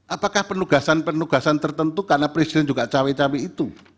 apakah penugasan penugasan tertentu karena presiden juga cawe cawe itu